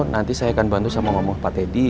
nanti saya akan bantu sama omoh omoh pak teddy